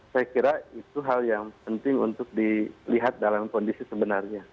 saya kira itu hal yang penting untuk dilihat dalam kondisi sebenarnya